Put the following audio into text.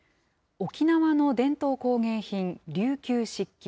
沖縄の伝統工芸品、琉球漆器。